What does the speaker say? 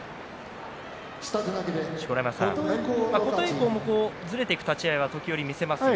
錣山さん、琴恵光もずれていく立ち合いを見せますが。